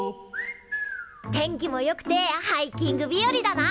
天気もよくてハイキングびよりだな！